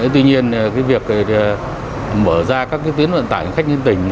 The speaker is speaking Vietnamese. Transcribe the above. tuy nhiên việc mở ra các tiến vận tải hành khách nhân tình